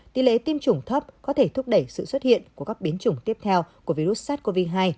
tỷ lệ tiêm chủng thấp có thể thúc đẩy sự xuất hiện của các biến chủng tiếp theo của virus sars cov hai